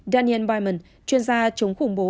daniel byman chuyên gia chống khủng bố